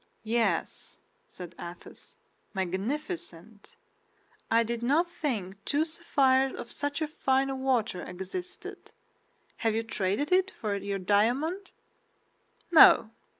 "Yes," said Athos, "magnificent. I did not think two sapphires of such a fine water existed. Have you traded it for your diamond?" "No.